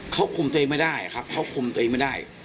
เขาคุมตัวเองไม่ได้ครับเขาคุมตัวเองไม่ได้